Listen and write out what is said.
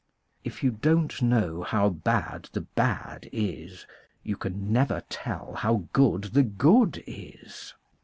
If you don't know how bad the bad is you can never tell how good the good is.